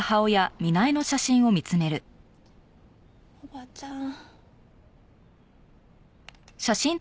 おばちゃん。